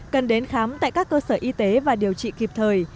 cần đến khám tại các cơ sở y tế và điều trị kịp thời